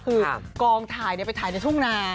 คือกองถ่ายไปถ่ายในทุ่งนา